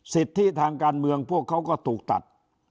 สิทธิทางการเมืองพวกเขาก็ถูกตัด